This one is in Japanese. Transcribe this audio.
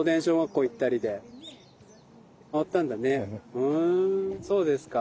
ふんそうですか。